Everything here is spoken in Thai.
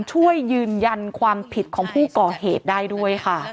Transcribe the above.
ช่วยยืนยันความผิดของผู้ก่อเหตุได้ด้วยค่ะ